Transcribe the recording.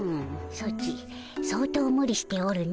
ソチ相当ムリしておるの。